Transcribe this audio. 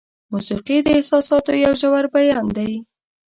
موسیقي د احساساتو یو ژور بیان دی.